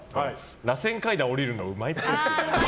らせん階段下りるのうまいっぽい。